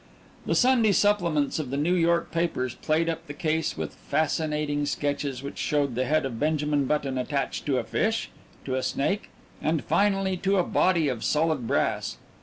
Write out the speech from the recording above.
The Sunday supplements of the New York papers played up the case with fascinating sketches which showed the head of Benjamin Button attached to a fish, to a snake, and, finally, to a body of solid brass.